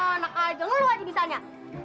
anak aja ngeluar di misalnya